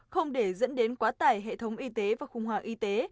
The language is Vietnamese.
không để dẫn đến quá tải hệ thống y tế và khủng hoảng y tế